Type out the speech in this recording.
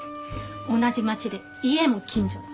同じ町で家も近所で。